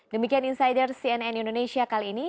demikian insider cnn indonesia kali ini